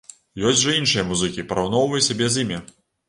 Ёсць жа іншыя музыкі, параўноўвай сябе з імі.